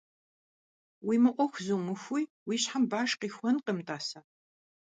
Уи мыӀуэху зумыхуи, уи щхьэм баш къихуэнкъым, тӀасэ.